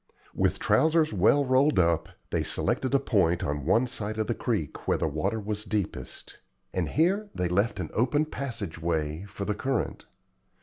With trousers well rolled up, they selected a point on one side of the creek where the water was deepest, and here they left an open passage way for the current.